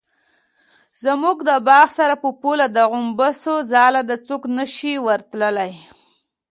زموږ د باغ سره په پوله د غومبسو ځاله ده څوک نشي ورتلی.